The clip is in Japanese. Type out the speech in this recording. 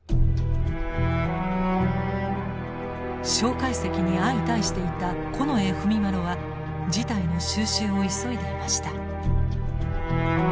介石に相対していた近衛文麿は事態の収拾を急いでいました。